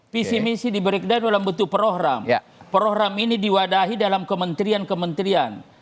visi misi di breakdown dalam bentuk program program ini diwadahi dalam kementerian kementerian